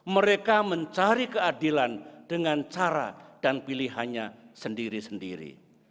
mereka mencari keadilan dengan cara dan pilihannya sendiri sendiri